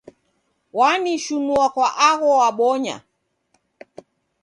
Wanishinua kwa agho wabonya.